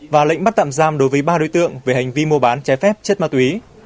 và lệnh bắt tạm giam đối với ba đối tượng về hành vi mua bán trái phép chất ma túy